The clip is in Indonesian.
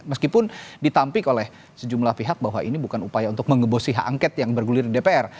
meskipun ditampik oleh sejumlah pihak bahwa ini bukan upaya untuk mengebosi hak angket yang bergulir dpr